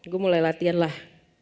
gue mulai latihan lah